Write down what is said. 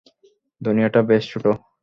দুনিয়াটা বেশ ছোট।